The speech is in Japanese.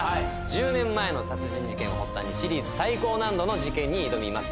１０年前の殺人事件を発端にシリーズ最高難度の事件に挑みます